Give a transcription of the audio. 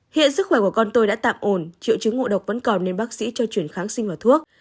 hiện sức khỏe của con tôi đã tạm ổn triệu chứng ngộ độc vẫn còn nên bác sĩ cho chuyển kháng sinh vào thuốc